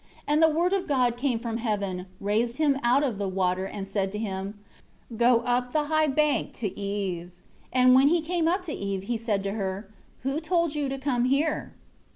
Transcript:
And the Word of God came from heaven, raised him out of the water, and said to him, "Go up the high bank to Eve." And when he came up to Eve he said to her, "Who told you to come here?"